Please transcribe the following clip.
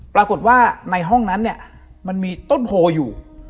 ปรากฏว่าในห้องนั้นมันมีต้นโผล่อยู่